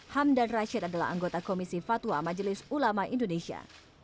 hamdan rashid adalah anggota komisi fatwa majelis ulama indonesia